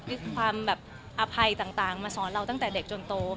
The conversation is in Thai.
ด้วยความแบบอภัยต่างมาสอนเราตั้งแต่เด็กจนโต